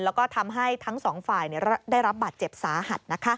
แล้วก็ทำให้ทั้งสองฝ่ายได้รับบาดเจ็บสาหัส